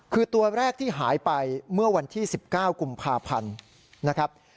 คือตัวแรกที่หายไปเมื่อวันที่๑๙กุมภาพันธ์นะครับ